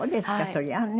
そりゃあね。